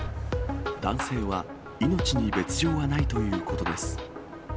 男性は、命に別状はないということです。